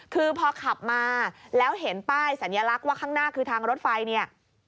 คือพอขับมาแล้วเห็นป้ายสัญลักษณ์ว่าข้างหน้าคือทางรถไฟเนี่ย